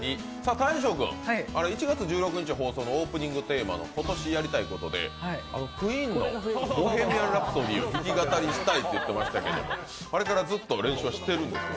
大昇君、１月１６日のオープニングテーマの今年やりたいことで、ＱＵＥＥＮの「ボヘミアン・ラプソディ」を弾き語りしたいと言ってましたけどあれからずっと練習はしてるんですか？